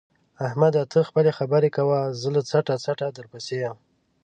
احمده! ته خپلې خبرې کوه زه له څټه څټه درپسې یم.